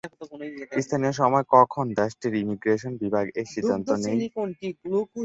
স্থানীয় সময় কখন দেশটির ইমিগ্রেশন বিভাগ এই সিদ্বান্ত নেই?